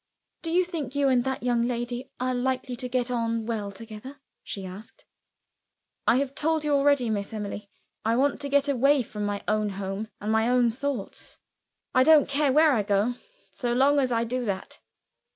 "Do you think you and that young lady are likely to get on well together?" she asked. "I have told you already, Miss Emily, I want to get away from my own home and my own thoughts; I don't care where I go, so long as I do that."